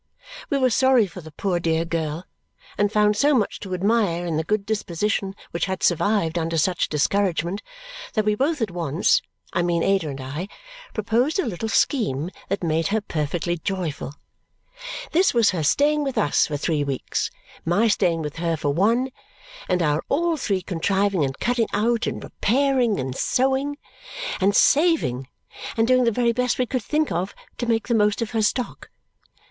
We were sorry for the poor dear girl and found so much to admire in the good disposition which had survived under such discouragement that we both at once (I mean Ada and I) proposed a little scheme that made her perfectly joyful. This was her staying with us for three weeks, my staying with her for one, and our all three contriving and cutting out, and repairing, and sewing, and saving, and doing the very best we could think of to make the most of her stock.